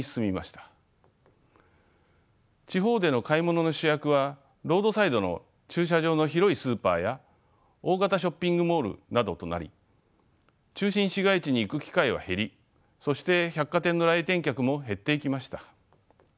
地方での買い物の主役はロードサイドの駐車場の広いスーパーや大型ショッピングモールなどとなり中心市街地に行く機会は減りそして百貨店の来店客も減っていきました。